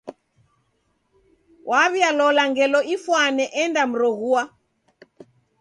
Waw'ialola ngelo ifwane endamroghua.